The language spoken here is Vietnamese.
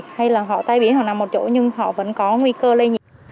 hay là họ tai biến họ nằm một chỗ nhưng họ vẫn có nguy cơ lây nhiễm